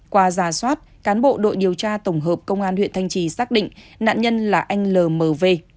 qua giả soát cán bộ đội điều tra tổng hợp công an huyện thanh trì xác định nạn nhân là anh lmv